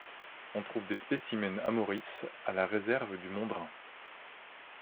On trouve des spécimens à Maurice à la réserve du Mondrain.